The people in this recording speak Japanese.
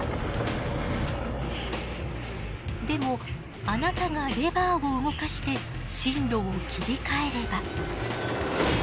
でもあなたがレバーを動かして進路を切り替えれば。